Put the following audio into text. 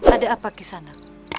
ada apa kesana